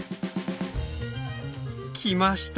来ました